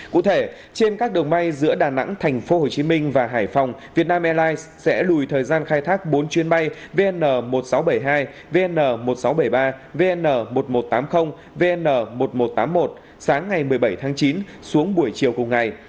cụ thể trên các đường bay giữa đà nẵng tp hcm và hải phòng việt nam airlines sẽ lùi thời gian khai thác bốn chuyến bay vn một nghìn sáu trăm bảy mươi hai vn một nghìn sáu trăm bảy mươi ba vn một nghìn một trăm tám mươi vn một nghìn một trăm tám mươi một sáng ngày một mươi bảy tháng chín xuống buổi chiều cùng ngày